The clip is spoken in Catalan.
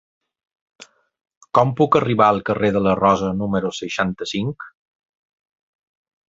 Com puc arribar al carrer de la Rosa número seixanta-cinc?